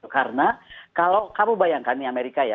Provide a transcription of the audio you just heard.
karena kalau kamu bayangkan di amerika ya